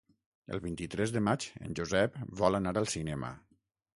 El vint-i-tres de maig en Josep vol anar al cinema.